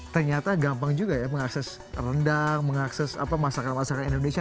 ternyata gampang juga ya mengakses rendang mengakses masakan masakan indonesia